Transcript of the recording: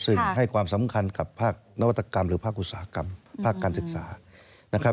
ซึ่งให้ความสำคัญกับภาคนวัตกรรมหรือภาคอุตสาหกรรมภาคการศึกษานะครับ